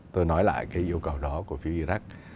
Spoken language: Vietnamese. tôi nói lại cái yêu cầu đó của phía iraq